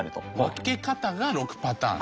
分け方が６パターン。